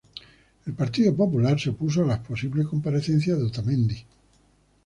El Partido Popular se opuso a la posible comparecencia de Otamendi.